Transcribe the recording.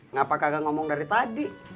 ngapakah gak ngomong dari tadi